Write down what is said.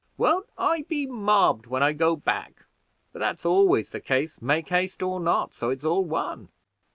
"Won't I be mobbed when I go back! but that's always the case, make haste or not, so it's all one.